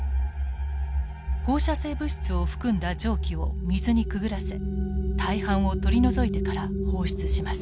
放射性物質を含んだ蒸気を水にくぐらせ大半を取り除いてから放出します。